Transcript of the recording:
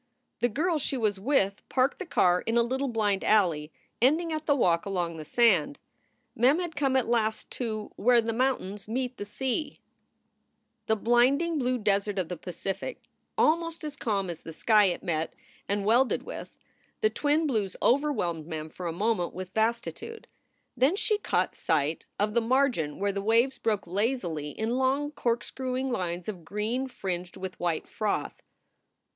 The girls she was with parked the car in a little blind alley ending at the walk along the sand. Mem had come at last to "where the mountains meet the sea." SOULS FOR SALE 183 The blinding blue desert of the Pacific, almost as calm as the sky it met and welded with, the twin blues overwhelmed Mem for a moment with vastitude. Then she caught sight of the margin where the waves broke lazily in long cork screwing lines of green fringed with white froth.